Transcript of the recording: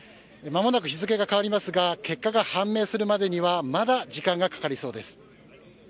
間もなく日付が変わりますが結果が判明するまでにはまだ時間がかかりそうです。